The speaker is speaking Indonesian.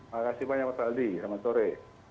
makasih banyak mas aldi selamat sore